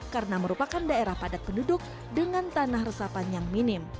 karena merupakan daerah padat penduduk dengan tanah resapan yang minim